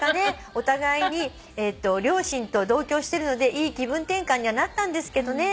「お互いに両親と同居してるのでいい気分転換にはなったんですけどね」という。